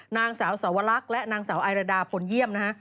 นางสาวสวรรคและนางสาวไอรดาพลเยี่ยมนะฮะ